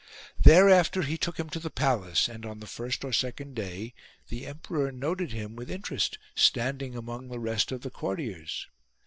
Thereafter he took him to the palace ; and, on the first or second day, the emperor noted him with in terest standing among the rest of the courtiers.